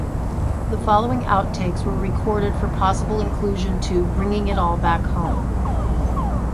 The following outtakes were recorded for possible inclusion to "Bringing It All Back Home".